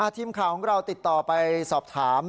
ทีมข่าวของเราติดต่อไปสอบถาม